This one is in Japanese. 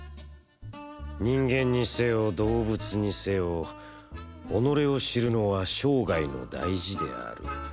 「人間にせよ、動物にせよ、己を知るのは生涯の大事である。